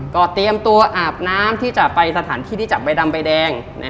ก็เตรียมตัวอาบน้ำที่จะไปสถานที่ที่จับใบดำใบแดง